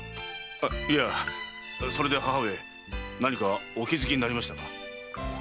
あいやそれでは母上何かお気づきになりましたか？